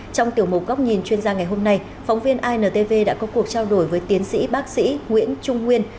trong tiểu mục góc nhìn chuyên gia ngày hôm nay phóng viên intv đã có cuộc trao đổi với tiến sĩ bác sĩ nguyễn trung nguyên